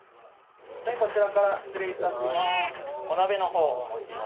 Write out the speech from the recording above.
こちらから失礼いたします。